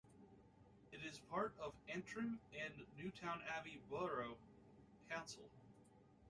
It is part of Antrim and Newtownabbey Borough Council.